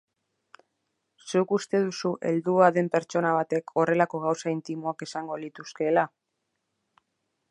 Zuk uste duzu heldua den pertsona batek horrelako gauza intimoak esango lituzkeela?